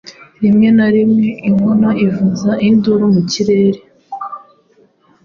Rimwe na rimwe, Inkona ivuza induru mu kirere,